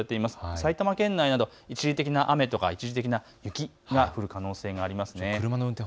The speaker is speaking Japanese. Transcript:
埼玉県内など一時的な雨や雪が降る可能性があります。